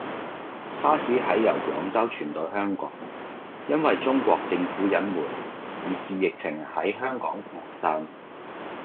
沙士喺由廣州傳到香港，因為中國政府隱瞞，以致疫情喺香港擴散